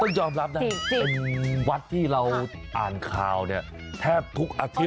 ยอมรับนะเป็นวัดที่เราอ่านข่าวเนี่ยแทบทุกอาทิตย